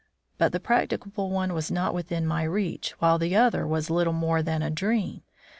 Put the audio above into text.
But the practicable one was not within my reach, while the other was little more than a dream.